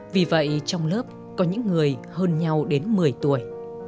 vì vậy trong lớp có những người hơn nhau đến một mươi tuổi